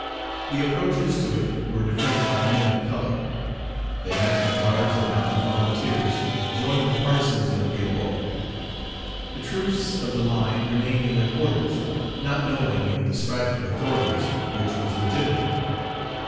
The approaches to it were defended by men of color. The National Guards and mounted volunteers joined the partisans of Galbaud. The troops of the line remained in their quarters, not knowing, in the strife of authorities, which was legitimate.